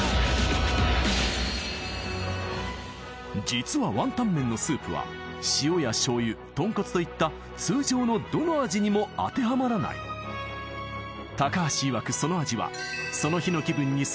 実はワンタンメンのスープは塩や醤油豚骨といった通常のどの味にも当てはまらない高橋いわく